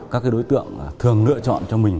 các cái đối tượng thường lựa chọn cho mình